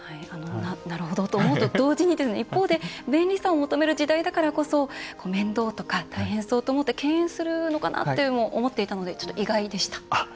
なるほどと思うと同時に便利さを求める時代だからこそ面倒とか大変そうと思って敬遠するのかなとも思っていたので意外でした。